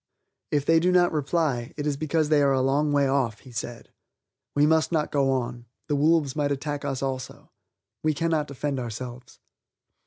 "If they do not reply, it is because they are a long way off," he said. "We must not go on; the wolves might attack us also. We cannot defend ourselves."